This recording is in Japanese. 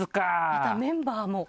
またメンバーも。